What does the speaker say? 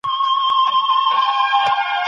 دولت باید د مسلکي کسانو ملاتړ وکړي.